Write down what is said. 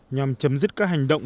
nhằm chấm dứt các hành động